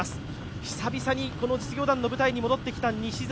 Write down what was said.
久々に実業団の舞台に戻ってきた西澤。